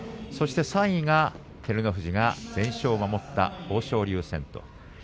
３位は照ノ富士が全勝を守った豊昇龍戦です。